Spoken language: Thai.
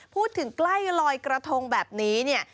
พูดถึงใกล้ลอยกระทงแบบนี้เนี่ย